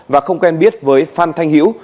và không quen biết với phan thanh hữu